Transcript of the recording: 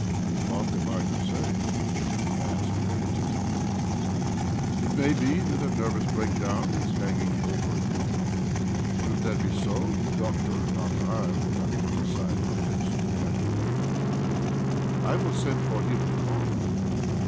"What am I to say?" he asked medita tively. " It may be that a nervous break down is hanging over you. S|hould that be so, the doctor, not I, will have to decide how best you can be treated. I will send for him to morrow.